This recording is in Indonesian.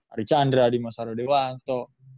ari chandra adi masarodewanto